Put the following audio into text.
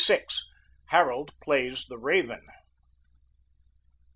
HAROLD PLAYS THE RAVEN.